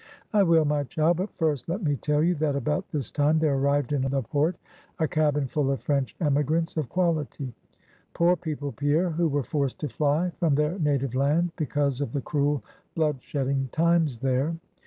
"I will, my child. But first let me tell you, that about this time there arrived in the port, a cabin full of French emigrants of quality; poor people, Pierre, who were forced to fly from their native land, because of the cruel, blood shedding times there.